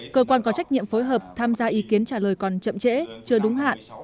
cơ quan có trách nhiệm phối hợp tham gia ý kiến trả lời còn chậm trễ chưa đúng hạn